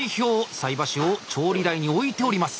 菜箸を調理台に置いております。